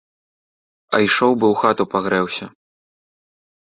А ішоў бы ў хату пагрэўся.